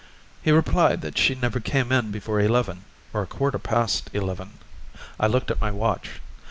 He replied that she never came in before eleven or a quarter past eleven. I looked at my watch.